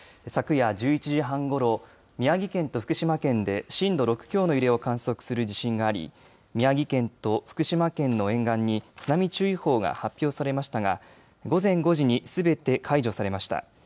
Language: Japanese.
昨夜１１時半ごろ宮城県と福島県で震度６強の揺れを観測する地震があり宮城県と福島県の沿岸に津波注意報が発表されましたが午前５時にすべて解除されました。